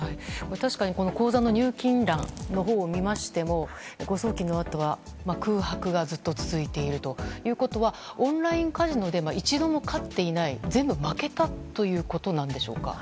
確かに、この口座の入金欄のほうを見ましても誤送金のあとは空白がずっと続いているということはオンラインカジノで一度も勝っていない全部負けたということなんでしょうか。